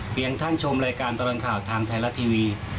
เพียงท่านชมรายการตะร้อนข่าวทางไทยรัฐทีวี